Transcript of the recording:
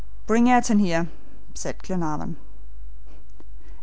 "Bring Ayrton here," said Glenarvan.